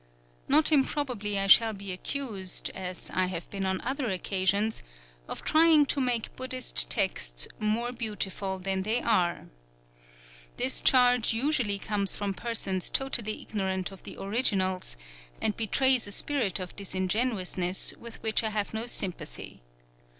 Not improbably I shall be accused, as I have been on other occasions, of trying to make Buddhist texts "more beautiful than they are." This charge usually comes from persons totally ignorant of the originals, and betrays a spirit of disingenuousness with which I have no sympathy.